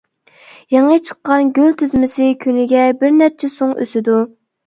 يېڭى چىققان گۈل تىزمىسى كۈنىگە بىرنەچچە سۇڭ ئۆسىدۇ.